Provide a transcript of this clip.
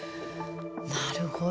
なるほど。